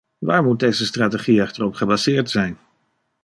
Waar moet deze strategie echter op gebaseerd zijn?